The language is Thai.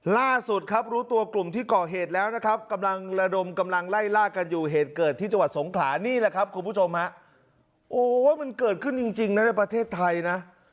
ล่าสุดครับรู้ตัวกลุ่มที่ก่อเหตุแล้วนะครับกำลังระดมกำลังไล่ล่ากันอยู่เหตุเกิดที่จังหวัดสงขลานี่แหละครับคุณผู้ชมฮะโอ้มันเกิดขึ้นจริงนะในประเทศไทยนะ